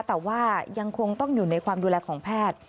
แต่ว่ายังคงต้องอยู่ในความดูแลของแพทย์